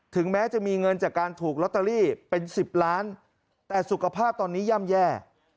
แม้จะมีเงินจากการถูกลอตเตอรี่เป็น๑๐ล้านแต่สุขภาพตอนนี้ย่ำแย่